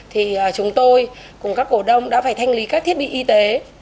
thì chúng tôi cùng các cổ đông đã phải thanh lý các thiết bị y tế